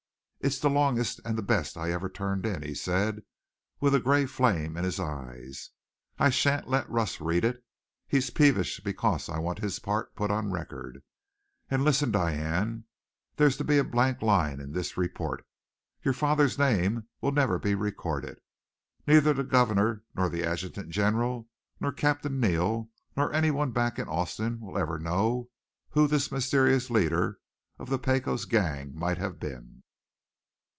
"It's the longest and the best I ever turned in," he said, with a gray flame in his eyes. "I shan't let Russ read it. He's peevish because I want his part put on record. And listen, Diane. There's to be a blank line in this report. Your father's name will never be recorded. Neither the Governor, nor the adjutant general, nor Captain Neal, nor any one back Austin way will ever know who this mysterious leader of the Pecos gang might have been.